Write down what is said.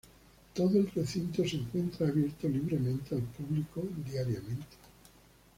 Todo el recinto se encuentra abierto libremente al público diariamente.